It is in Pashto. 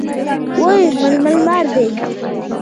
وې ملا ملا مار دی.